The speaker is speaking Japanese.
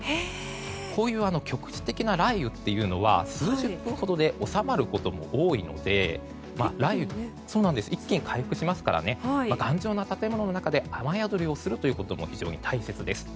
こういう局地的な雷雨というのは数十分ほどで収まることも多いので一気に回復しますから頑丈な建物の中で雨宿りをすることも非常に大切です。